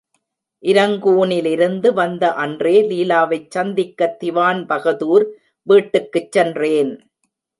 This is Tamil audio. இரங்கூனிலிருந்து வந்த அன்றே லீலாவைச் சந்திக்கத் திவான்பகதூர் வீட்டுக்குச் சென்றேன்.